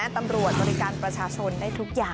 ตำรวจบริการประชาชนได้ทุกอย่าง